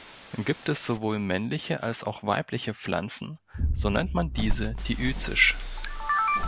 Gibt es sowohl männliche als auch weibliche Pflanzen, so nennt man diese diözisch.